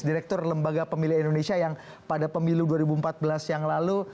direktur lembaga pemilih indonesia yang pada pemilu dua ribu empat belas yang lalu